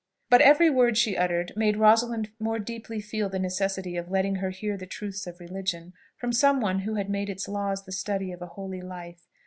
But every word she uttered made Rosalind more deeply feel the necessity of letting her hear the truths of religion from some one who had made its laws the study of a holy life.